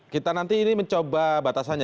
kita nanti ini mencoba batasannya